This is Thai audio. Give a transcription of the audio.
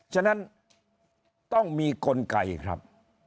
ฉะนั้นต้องมีกลไกครับ